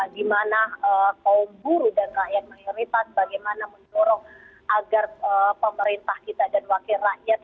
dimana kaum buru dan rakyat mayoritas bagaimana mendorong agar pemerintah kita dan wakil rakyat